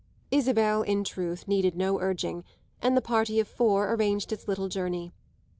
Isabel in truth needed no urging, and the party of four arranged its little journey.